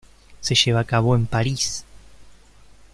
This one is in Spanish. Se lleva a cabo en París.